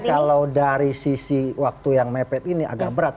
kalau dari sisi waktu yang mepet ini agak berat